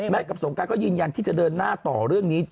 กับสงการก็ยืนยันที่จะเดินหน้าต่อเรื่องนี้